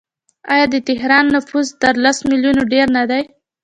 آیا د تهران نفوس تر لس میلیونه ډیر نه دی؟